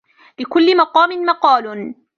لكل مقام مقال.